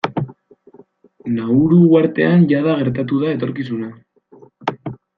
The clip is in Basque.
Nauru uhartean jada gertatu da etorkizuna.